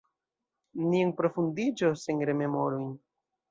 Ni enprofundiĝos en rememorojn.